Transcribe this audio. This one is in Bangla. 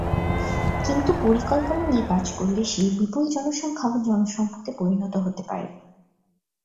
কিন্তু পরিকল্পনা নিয়ে কাজ করলে সেই বিপুল জনসংখ্যাও জনসম্পদে পরিণত হতে পারে।